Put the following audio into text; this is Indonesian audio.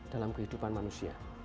dalam kehidupan manusia